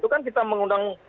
itu kan kita mengundang